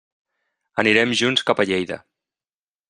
Anirem junts cap a Lleida.